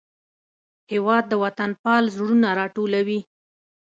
هېواد د وطنپال زړونه راټولوي.